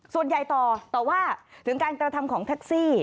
ส่วนใหญ่ต่อต่อว่าถึงการกระทำของแท็กซี่